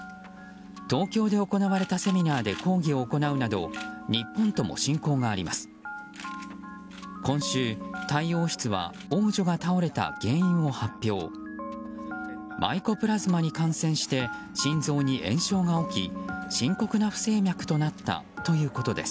東京で行われたセミナーで講義を行うなど日本とも親交があります。